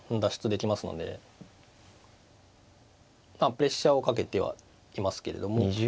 プレッシャーをかけてはいますけれども。